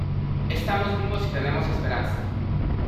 estamos vivos y tenemos esperanza.